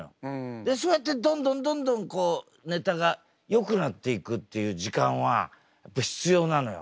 でそうやってどんどんどんどんネタがよくなっていくっていう時間はやっぱ必要なのよ。